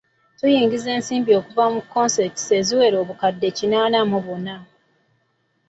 Twayingiza ensimbi okuva mu consents eziwera obukadde kinaana mu buna.